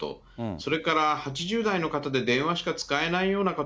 それから８０代の方で、電話しか使えないような方、